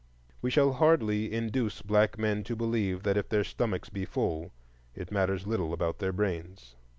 We shall hardly induce black men to believe that if their stomachs be full, it matters little about their brains.